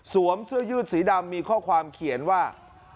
เสื้อยืดสีดำมีข้อความเขียนว่า